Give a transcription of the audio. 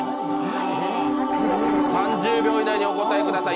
３０秒以内にお答えください。